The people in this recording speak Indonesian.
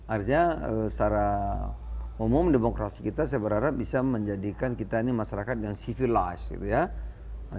artinya secara umum demokrasi kita saya berharap bisa menjadikan kita ini masyarakat yang civilized gitu ya